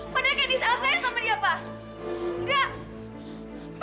padahal kendi salah sayang sama dia pak